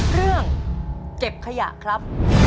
เรื่องเก็บขยะครับ